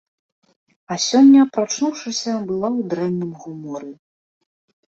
А сёння, прачнуўшыся, была ў дрэнным гуморы.